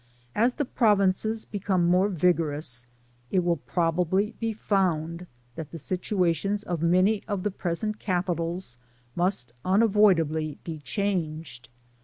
As the jnpo vinces b^^ome in^e vigorous, it will probably be feupd that the ntuations of many of the present eapitals must unavmdaUy be changed.